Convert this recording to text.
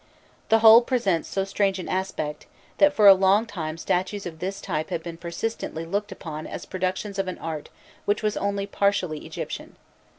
The whole presents so strange an aspect, that for a long time statues of this type have been persistently looked upon as productions of an art which was only partially Egyptian.